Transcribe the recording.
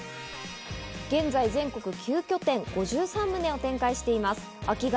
現在全国９拠点、５３棟を展開しています。